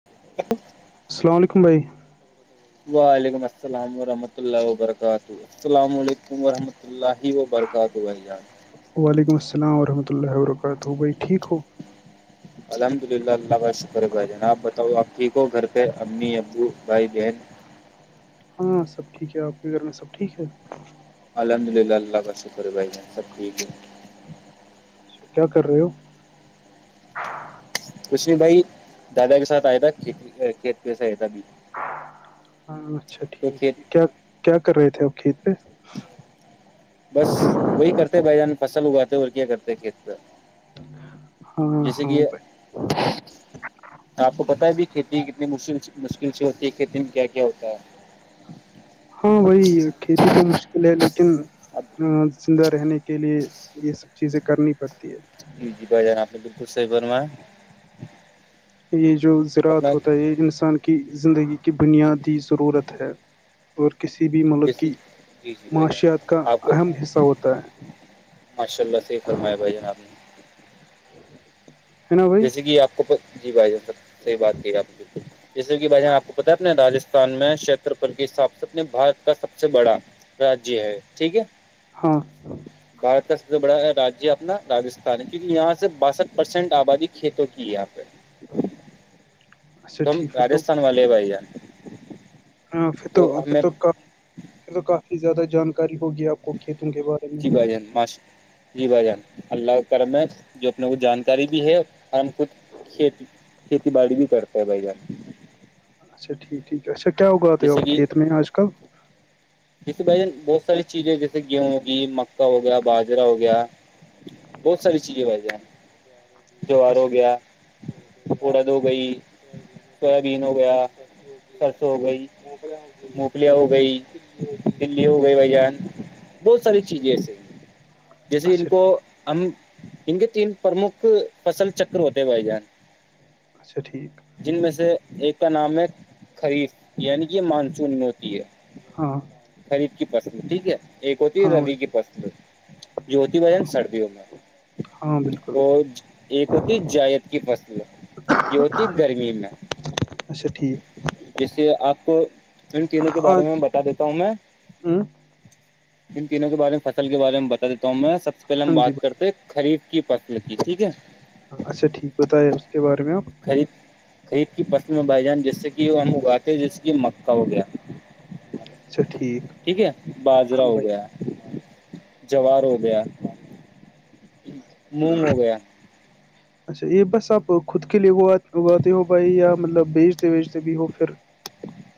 [inaudible] السلام علیکم بھائی وعلیکم السلام ورحمۃ اللہ وبرکاتہ السلام علیکم ورحمۃ اللہ و برکات بھائ جان وعلیکم السلام ورحمۃ اللہ وبرکاتہ بھائی ٹھیک ہو الحمد للہ اللہ کا شکر بھائی جا آب بتاؤ آپ ٹھیک ہو گھر پہ امی ابو بھائی بہن ہاں سب ٹھیک ہے آپ کے گھر میں سب ٹھیک ہے الحمد للہ اللہ کا شکر بھائی سب ٹھیک ہے اچھا کیا کر رہے ہو کچھ بھی بھائی دادا کے ساتھ آئے تھا کھیت میں سے آ تھا بھی ہاں اچھا ٹھیک کھیت ٹھیک کیا کیا کر رہے تھے آپ کھیت پہ بس وہی کرتے بھائی جان فصل اگاتے اور کیا کرتے ہیں کھیت کا ہاں جیسے ہاں کہ بھائی آپ کو پتہ ہے بھی کھیتی کتنی مشکل مشکل سے ہوتی ہے کھیتی میں کیا کیا ہوتا ہے ہاں بھائی کھیتی تو مشکل ہے لیکن اب آ، زندہ رہنے کے لیے یہ سب چیزیں کرنی پڑتی جی جی بھای جان آپ بالکل سی برم یہ جو زراعت اپنا ہوتا ہے یہ انسان کی زندگی کی بنیادی ضرورت ہے اور کسی بھی ملک جیسے کی جی جی بھائی جان معاشیات کا آپ کو اہم حصہ ہوتا ہے ماشاء اللہ سے صحیح فرمائے بھائی جان اپ نے [inaudible] ہے نا بھائی جیسے کہ آپ کو جی بھائی جان سب صحی بات کہ ہے آپ بالکل جیسے کہ آپ کو پتا ہے اپنے رجستھان میں چتر پل کے حساب سے اپنے بارت کا سب سے بڑا راجی ہے ٹھیک ہے ہاں بھارت کا سب سے بڑا رجیہ ہے اپنا راستھان ہے کیونک یہاں سے باسٹ پرسینٹ آبادی تو کی یہاں پہ ہاں ہم رجستھان والے بھائی جان ہاں پھر تو پھر تو کاف پھر تو کافی زیادہ جان کاری ہوگی آپ کو کھیتوں کے بارے میں ہے نا بس جی بھائی جان اللہ کرم میں جو اپنے کو جانکاری بھی ہے اور ہم کھ کھیتی کھیتی بای بھی کرتا ہے بائی گ اچھا ٹھیک ٹھیک ہے اچھا کیا اگاتے ہو جیسے آپ کہ کھیت میں آج کل جیسے بھائی ج بہت ساری چیزیں جیسے گیہوں ہوگی مکا ہو گیا باجرا ہو گیا بہت ساری چیزیں ویسے ہیں جوہار اچھا ہو گیا اورورد ہو گئی سویابین ہو گیا سرسوں ہو گئی مونگفلیا ہو گئی دلی ہو گئی بھ جان بہت ساری اچھا چیزیں ایسے ہیں جیسے ان اچھا کو ٹھیک ہم ان کے تین پرمکھ فصل چکر ہوتے ہیں بھائی جان اچھا ٹھیک جن میں سے ایک کا نام ہے خریف یعنی کہ مانسون میں ہوتی ہے ہاں خریف کی پسلو ٹھیک ہے ایک ہوتی ہاں روی بھائی کی پسلو جو ہوتی بان ہاں سردیوں میں ہاں بالکل وہ ایک ہوتی جائید کی فصل جوتی گرمی میں اچھا ٹھیک جیسے آپ کو ان چیزوں کے بارے میں آج بتا دیتا ہ میں ہوں ان تینوں کے بارے میں فصل کے بارے میں بتا دیتا ہوں میں سب سے اس پہلے ہم ہاں جی بات کرتے ہیں خریف کی فصل کی ٹھیک ہے ہاں اچھا ٹھیک ہو بتا ہے اس کے بارے میں آپ خرید خرید کی فصل میں بائی جان جیسے کہ ہم اگاتے جیسے کہ مکا ہو گیا ٹھیک ہے باجرا ہاں ہو بھائی گیا جوار ہو گیا مونگ ہو گیا اچھا یہ بس آپ خود کے لیے گواتے ہو بھائی یا مطلب بیچتے بیچتے بھی ہو پھر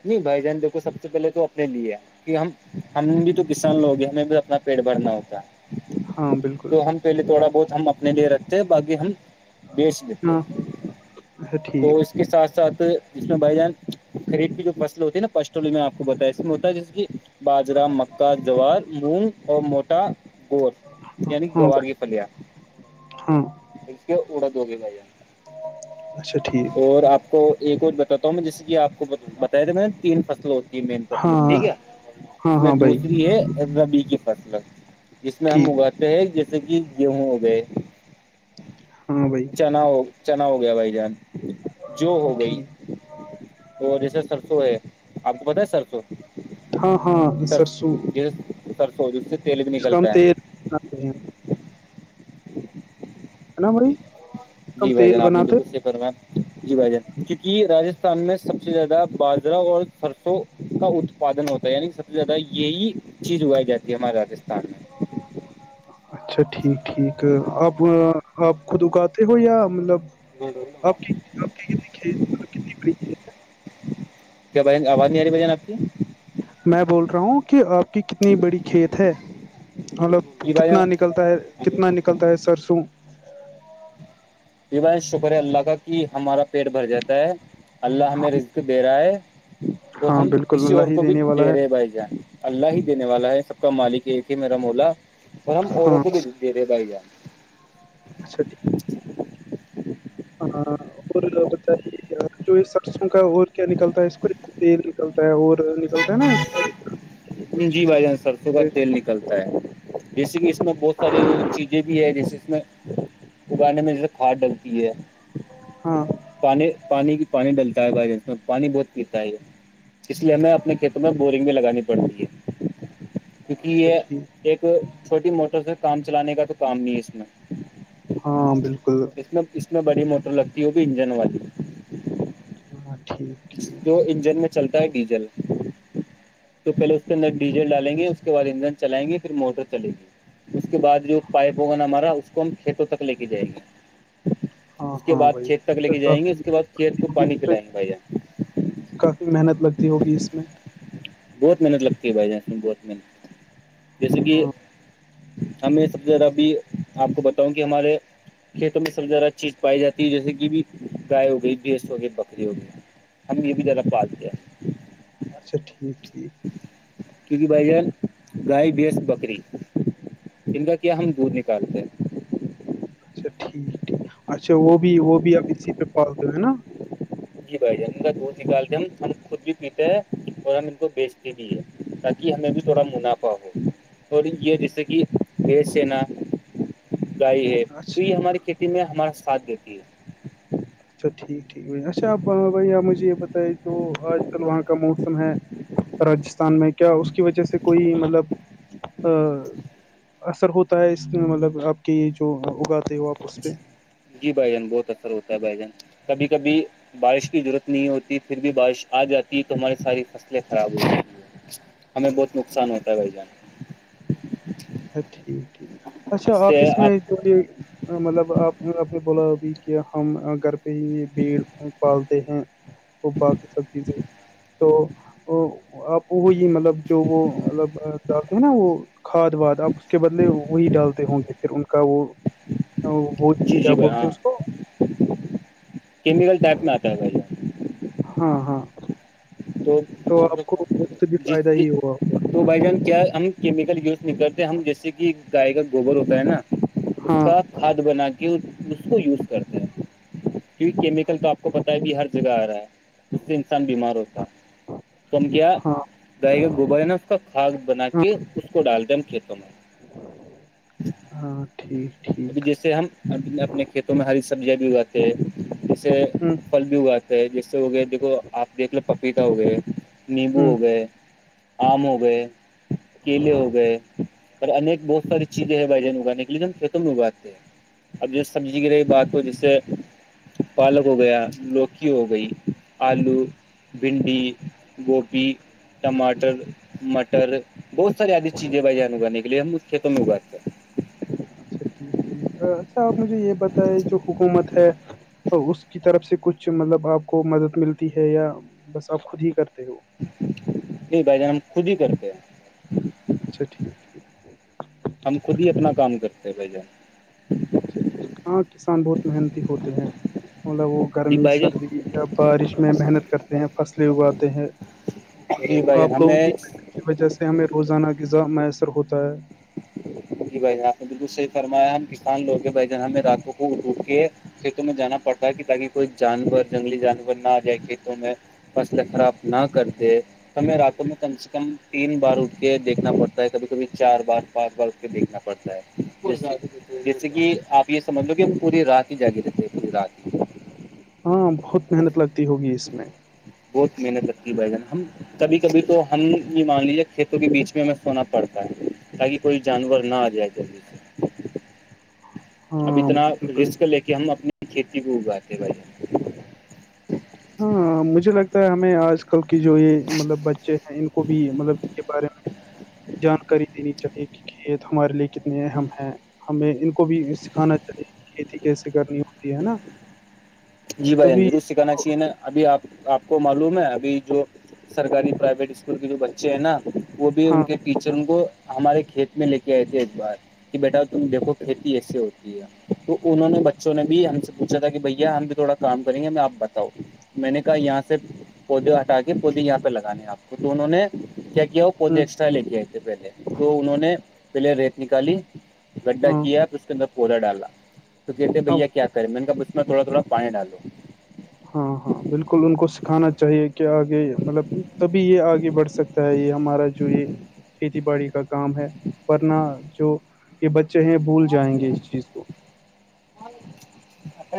نہیں بھائی جان دیکھو سب سے پہلے تو اپنے لیے ہے کہ ہم ہم بھی تو کسان لوگ ہیں ہمیں بھی اپنا پیٹ بھرنا ہوتا ہاں بالکل تو ہم پہلے تھوڑا بہت ہم اپنے لیے رکھتے ہیں بقی ہم بیچ دیتے ہاں ہیں اچھا ٹھیک تو اس کے ساتھ ساتھ جس میں بھائی جان خرید جو فس ہوتے نا پشچم ٹ میں آپ کو بتا اس میں ہوتا ہے جس کہ باجرا مکا جوار مونگ اور موٹا گور یعنی ہاں گوار بھائی یہ پیا ہاں اڑ دگے بھائی اچھا ٹھیک اور آپ کو ایک اور بتاتتاا ہوں میں جیسے کہ آپ کو میں تین فصلیں ہوتی ہے مین فسل ہاں ہاں ٹھیک ہے ج ہاں میں ہاں بھائی دوسری ہے اذبی کی فتل جس میں ہم ٹھیک اگا تو جیسے کہ گیہوں ہو گئے ہاں بھائی نا ہو چنا ہو گیا بھائی جان جو ہو گئی ٹھیک اور جیسے سر سو ہے آپ کو پت ہے سر تو ہاں ہاں سر سرسوں سر سوج اس سے تیل بھی جس کا ہم نکلتا تیل ہے بناتے ہیں ہے ن مری جی بھائی جان آپ نے بالکل سفرم جی بھائی جان کیونکہ رجستھان میں سب سے زیادہ بجرا اور فرسوں کا اتپادن ہوتا ہے یعنی سب سے زیادہ یہی چیز اگائی جاتی ہے ہمارے راستھان میں اچھا ٹھیک ٹھیک آپ آپ خود اگاتے ہو یا مطلب گڈور [unintelligible] آپ کی آپ کی کتنی کھیت مطلب کتنی بڑی ہے؟ کیا بجن آواز نہیں آ رہی بجان آپ کی میں بول رہا ہوں کہ آپ کی کتنی بڑی کھیت ہے مطلب جی بھائی کتنا جان نکلتا ہے کتنا نکلتا ہے سرسوں یہ بائی شکر ہے اللہ کا کہ ہمارا پیٹ بھر جاتا ہے اللہ ہمیں رزق دے رہا ہے اور ہاں ہم بالکل کسی اور اللہ ہی کو بھی دینے د والا ہے رہے بھائی جان اللہ ہی دینے والا ہے سب کا مالک ایک ہے میرا مولا اور ہم اوروں ہاں کو بھی دے رہے بھائی جان اچھا جی ہاں اور لوگ سے جو اس سرسوں کا اور کیا نکلتا ہے اس کو تیل نکلتا ہے اور نکلتا ہے نا شاید کچھ جی بھائی جان سرسوں کا تیل نکلتا ہے جیسے کہ اس میں بہت ساری چیزیں بھی ہے جیسے اس میں اگانے میں جسے کواد ڈلتی ہے ہاں پانی پانی کی پانی ڈلتا ہے ب میں پانی بہت پیتا ہے یہ اس لیے ہمیں اپنے کھیتوں میں بورنگ بھی لگانی پڑتی ہے کیونکہ اچھا یہ ٹھیک ایک چھوٹی موٹر سے کام چلانے کا تو کام نہیں ہے اس میں ہاں بالکل اس میں اس میں بڑی موٹر لگتی ہے وہ بھی انجن والی ہاں ٹھیک ٹھیک جو انجن میں چلتا ہے ڈیزل [unintelligible] تو پہل اس کے اندر ڈیزل ڈالیں گے اس کے بد انجن چلائیں گے پھر موٹر چلیں گی اس کے بعد جو پائپ ہوگا نا ہمارا اس کو ہم کھیتوں تک لے کے جائے گے ہاں اس کے ہاں بعد بھائی کھیت تک لے تو کے جائیں گے کافی اس کے بعد کھیت کو ہوگی پانی اس پہ پلائیں گے بھائییا کافی محنت لگتی ہوگی اس میں بہت محنت لگتی ہے بھائی جان اس میں بہت محنت جیسے کہ ہاں ہم میں سب سے زیادہ ابھی آپ کو بتاؤں کہ ہمارے کھیتوں میں سب زیادہ چیز پائی جاتی ہے جیسے کہ بھی گائے ہو گئی بھینس ہو گئی بکری ہو گئی ہم یہ بھی ذرا پات گیا اچھا ٹھیک ٹھیک کیک بائے جان پرائی بس بکری ان کا کیا ہم دودھ نکالتے ہیں اچھا ٹھیک ٹھیک اچھا وہ بھی وہ بھی آپ اسی پہ پالتے ہیں نا جی بھائی جان ان کا دودھ نکالتے ہم ہم خود بھی پیتے ہیں اور ہم ان کو بیچتے بھی ہیں تاکہ کہ ہمیں بھی تھوڑا منافع ہو تھڑی یہ جیسے کہ دیش سینا گائے ہے تو اچھا یہ ہماری کھیتی میں ہمارا ساتھ دیتی ہے اچھا ٹھیک بھ اچھا اپ بھ آپ مجھے یہ بتائیے جو آج کل وہاں کا موسم ہے راجستھان میں کیا اس کی وجہ سے کوئی مطلب اثر ہوتا ہے اس میں مطلب آپ کے جو اگاتے ہو آپ اس پہ جی بھائی جان بہت اثر ہوتا ہے بھائی جان کبھی کبھی بارش کی ضرورت نہیں ہوتی پھر بھی بارش آ جاتی تو ہماری ساری فصلیں خراب ہو ہیں ہمیں بہت نقصان ہوتا ہے بھائی جان ا ٹھیک ٹھیک اچھا آپ اس میں جو یہ مطلب آپ آپ نے بولا ابھی کہ ہم گھر پہ ہی بھیڑ پالتے ہیں وہ باقی سب چیزیں تو ا آپ وہی مطلب جو وہ مطلب جاتے ہیں نا وہ کھاد واد اب اس کے بدلے وہی ڈالتے ہوں گے پھر ان کا وہ وہ جی کیا جی بھائی بولتے ہاں اس کو کیمیکل ٹائپ میں آتا ہے بھائی جان ہاں ہاں تو آپ کو اس سے بھی جی فائدہ ہی ہوا ہوگا تو بائی جان کیا ہم کیمیکل یوز نہیں کرتے ہم جیسے کہ گائے کا گوبر ہوتا ہے نا اس ہاں کا کھاد بنا کے اس کو یوز کرتا کیونکہ کیمیکل تو آپ کو پتا ہے بھی ہر جگہ آ رہا ہے ج سے انسان بیمار ہوتا ہے سم کیایہ ہاں گائے کا گوبر ہے نا اس کا کھاد بنا ہاں کے اس کو ڈال د ہیں ہم کھیتوں میں ہاں ٹھیک ابھی ٹھیک جیسے ہم اپنے کھیتوں میں ہری سبزیاں بھی اگاتے ہیں جیسے ہ پھل بھی اگاتے جیس سے ہو گیا دیکھو آپ دیکھ لو پپیتا ہو گئے نیمبو ہ ہو گئے آم ہو گئے کیلے ہو گئے اور ایک بہت ساری چیزیں ہیں بھائی جان اگانے کے لیےیک ہم کھیتوں بھی اگاتے ہیں اب جو سبزی کی رہی بات کو جس سے پالک ہو گیا لوکی ہو گئی آلو بھنڈی گوبھی ٹماٹر مٹر بہت ساریےد چزیں بھائی جانگانے کے لیے ہم اس کت میں اگاتے ہیں اچھا ٹھیک ٹھیک اچھا آپ مجھے یہ بتائے جو حکومت ہے تو اس کی طرف سے کچھ مطلب آپ کو مدد ملتی ہے یا بس آپ خود ہی کرتے ہو بھائی جان ہم خود ہی کرتے ہیں اچا ٹھیک ٹھیک [unintelligible] ہم خود ہی اپنا کام کرتے بھ جان اچا ٹھیک ہاں کسان بہت محنتی ہوتے ہیں مطلب وہ جی گرمی بھائی جان سردی جب بارش میں محنت کرتے ہیں فصلیں اگاتے ہیں جی بھائی آپ جان لوگوں کی ہمیں کی وجہ سے ہمیں روزانہ غذا میسر ہوتا ہے جی بھائی جان آپ نے بالکل صحیح فرمایا ہم کسان لوگ بھائی جن ہمیں راتوں کو اٹوٹ کے کھیتوں میں جانا پڑتا ہے کہ تاکہ کوئی جانور جنگلی جانور نہ جائے کھیتوں میں فصلیں خراب نہ کر د ہمیں راتوں میں کم سے کم تین بار اٹھ کے دیکھنا پڑتا ہے کبھی کبھی چار بار بار اس کے دیکھنا پڑتا ہے جیسے کہ آپ یہ سمجھ لو کہ ہم پوری رات ہی جاگ رہتے پوری رات ہی ہاں بہت محنت لگتی ہوگی اس میں بہت محنت کرتی بھائی جان ہم کبھی کبھی تو ہم یہ مان لیجے کھیتوں کے بیچ میں ہمیں سونا پڑتا ہے تاکہ کوئی جانور نہ آ جائے جے اب ہاں اتنا بالکل رسک لے کے ہم اپنی کھیتی کو اگاتے ہیں بھائی ہاں مجھے لگتا ہے ہمیں آج آج کل کی جو یہ مطلب بچے ہیں ان کو بھی مطلب ان کے بارے میں جانکاری دینی چاہیے کہ کھیت ہمارے لیے کتنے اہم ہیں ہمیں ان کو بھی سکھانا چاہیے یہ تھی کیسے کرنی ہوتی ہے نا جی بھائی تبھی ضرور سکھانا چاہیے نا ابھی آپ آپ کو معلوم ہے ابھی جو سرکاری پرائیویٹ اسکول کے جو بچے ہیں نا وہ بھی ان ہاں کے ٹیچر ان کو ہمارے کھیت میں لے کے آئے تھے ایک بار بیٹا تم دیکھو کھیتی ایسے ہوتی ہے تو انہوں نے بچوں نے بھی ہم سے پوچھا تھا کہ بھیا ہم تھوڑا کام کریں گے میں آپ بتاؤ میں نے کہا یہاں سے پودے ہٹا کے پودے یہاں پہ لگانے آپ کو تو انہوں نے کیا کیا [unintelligible] ود ہوں ایکسٹرا لے کے آئے تھے پہلے تو انہوں نے پہلے ریت نکالی [unintelligible] گڈھا ہاں کیا پھر اس کے اندر پودا ڈالا تو کہتے اب بھیا کیا کریں میں نے کہ اس میں تھوڑا تھوڑا [unintelligible] پائن آلو [unintelligible] ہاں ہاں بالکل ان کو سکھانا چاہیے کہ آگے مطلب تبھی یہ آگے بڑھ سکتا ہے یہ ہمارا جوئی کھیتی باڑی کا کام ہے ورنہ جو یہ بچے ہیں بھول جائیں گے اس چیز کو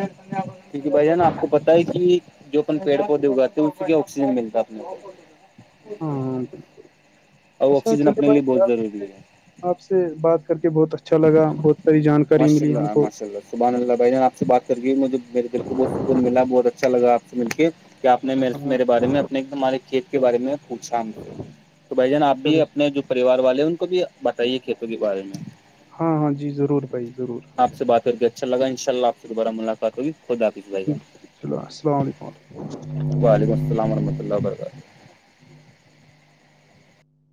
ا [unintelligible] کیونکہ بھیا نا آپ کو پتا ہے کہ جو اپن پیڑ پودے اگاتے ہیں اس کی کیا آکسیجن ملتا ہے اپنے کو [unintelligible] ہاں ہ بالکل اور اچھا آکسیجن چند اپنے بھائی لیے بہت کیا ضروری [unintelligible] ہے آپ سے بات کر کے بہت اچھا لگا بہت ساری جانکاری ماشاء ملی ہم اللہ کو ماشاء اللہ سبحان اللہ بائی ج آ سے بات کر مجھے میرے دل کو بہت سکون ملا بہت اچھا لا آپ سے مل کے [unintelligible] کیا آ نے ہاں میرے بارے میں اپنے ہمارے کھیت کے بارے میں [unintelligible] پوچھام سے تو بھائی جان آپ اچھا بھی بھائی۔ اپنے جو پریوار والے ہیں ان کو بھی بتائیے کھیتوں کے بارے میں ہاں ہاں جی ضرور بھائی ضرور آپ سے بات کر کے اچھا لگا ان شا اللہ آپ سے دوبارہ ملاقات تو خد حافظ گ چلو السلام علیکم وعلیکم السلام ورحمۃ اللہ وبرکاتہ